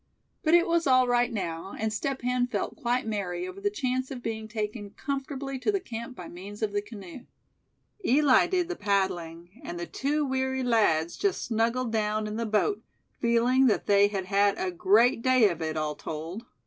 But it was all right now, and Step Hen felt quite merry over the chance of being taken comfortably to the camp by means of the canoe. Eli did the paddling, and the two weary lads just snuggled down in the boat, feeling that they had had a great day of it, all told.